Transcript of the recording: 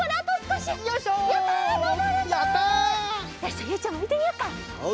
じゃあゆいちゃんもいってみよっか。